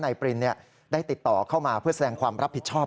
ปรินได้ติดต่อเข้ามาเพื่อแสดงความรับผิดชอบ